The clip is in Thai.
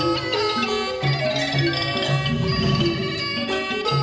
โอเคครับ